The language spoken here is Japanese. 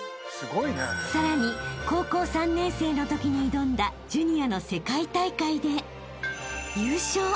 ［さらに高校３年生のときに挑んだジュニアの世界大会で優勝］